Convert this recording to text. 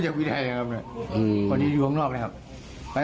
ใช่ครับ